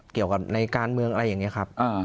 เกี่ยวกับในการเมืองอะไรอย่างนี้ครับ